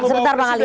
sebentar bang ali